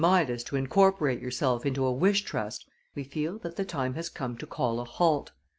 Midas to incorporate yourself into a wish trust we feel that the time has come to call a halt.